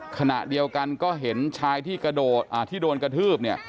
ขณะเดียวกันก็เห็นชายที่โดนกระทืบ